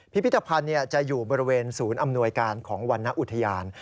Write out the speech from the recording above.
พิพิธภัณฑ์จะอยู่บริเวณศูนย์อำนวยการของวรรณอุทยาน